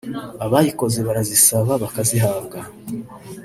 abayikoze barazisaba bakazihabwa